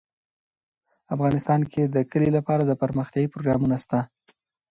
افغانستان کې د کلي لپاره دپرمختیا پروګرامونه شته.